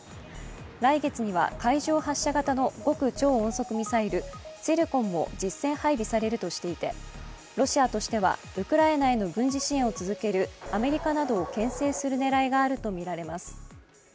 来月には海上発射型の極超音速ミサイル、ツィルコンも実戦配備されるとしていてロシアとしてはウクライナへの軍事支援を続けるアメリカなどをけん制する狙いがあるとみられます。